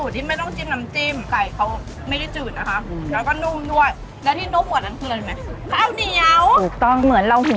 เป็นสูตรที่ไม่ต้องจิ้มน้ำจิ้ม